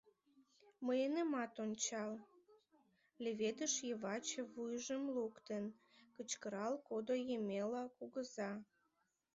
— Мыйынымат ончал, — леведыш йымач вуйжым луктын, кычкырал кодо Емела кугыза.